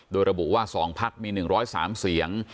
โดยระบุว่า๒พักมี๑๐๓เสียง